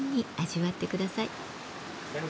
はい。